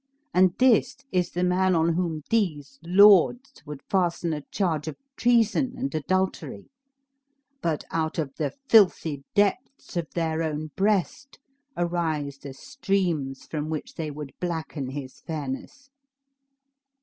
And this is the man on whom these lords would fasten a charge of treason and adultery! But out of the filthy depths of their own breast arise the streams from which they would blacked his fairness."